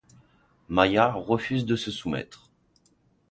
Maya refuse de se soumettre.